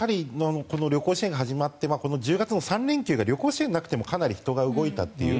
旅行支援が始まってこの１０月の３連休が旅行支援がなくてもかなり人が動いたという。